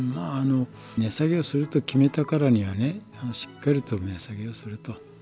値下げをすると決めたからにはねしっかりと値下げをすると。